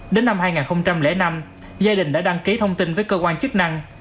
đến năm hai nghìn năm gia đình đã đăng ký thông tin với cơ quan chức năng